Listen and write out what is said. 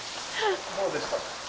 どうでした？